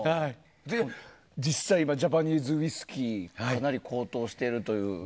実際、ジャパニーズウイスキーがかなり高騰しているという。